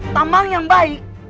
tamang yang baik